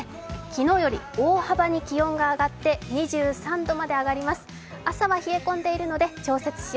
昨日より大幅に気温が上がって２３度まで上がります。